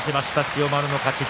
千代丸の勝ち。